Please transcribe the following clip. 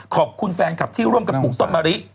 ขอบคุณแฟนคลับที่ร่วมกันปลูกต้นมะลิ